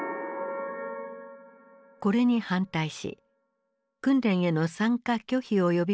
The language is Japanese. これに反対し訓練への参加拒否を呼びかける女性が現れた。